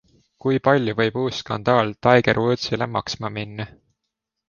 Kui palju võib uus skandaal Tiger Woodsile maksma minna?